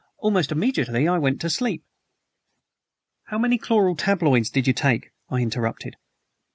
Almost immediately, I went to sleep." "How many chloral tabloids did you take?" I interrupted.